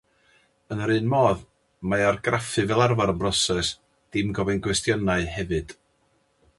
Yn yr un modd, mae argraffu fel arfer yn broses 'ddim gofyn cwestiynau' hefyd.